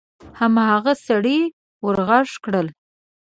هماغه سړي ور غږ کړل: